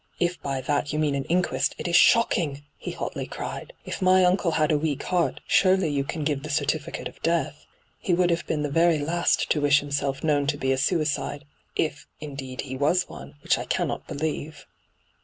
' If by that you mean an inquest, it is shocking !' he hotly cried. ' If my uncle had a weak heart, surely you can give the certificate of death? He would have been the very last to wish himself known to be a suicide — if, indeed, he was one, which I can not believe.'